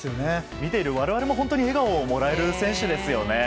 見ている我々も笑顔をもらえる選手ですよね。